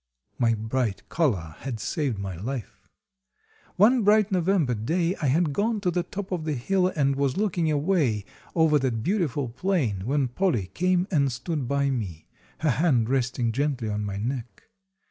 My bright collar had saved my life. One bright November day I had gone to the top of the hill and was looking away over that beautiful plain, when Polly came and stood by me, her hand resting gently on my neck.